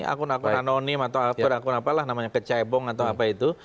akun akun anonim atau akun akun apalah namanya kecebong atau apa itu